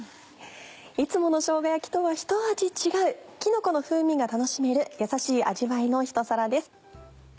いつものしょうが焼きとはひと味違うきのこの風味が楽しめるやさしい味わいのひと皿です。